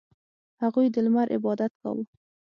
• هغوی د لمر عبادت کاوه.